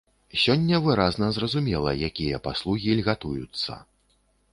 Сёння выразна зразумела, якія паслугі льгатуюцца.